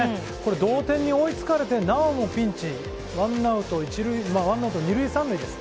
同点に追いつかれてなおもピンチ、ワンアウト、二塁三塁です。